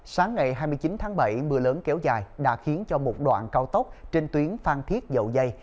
sáng ngày hai mươi chín tháng bảy mưa lớn kéo dài đã khiến cho một đoạn cao tốc trên tuyến phan thiết dậu dây